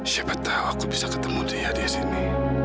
siapa tahu aku bisa ketemu dia di sini